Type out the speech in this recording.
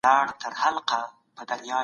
ځوانانو ته د تاریخ اصلي بڼه وښیئ.